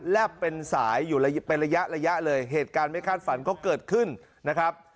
เป็นสายอยู่เป็นระยะระยะเลยเหตุการณ์ไม่คาดฝันก็เกิดขึ้นนะครับ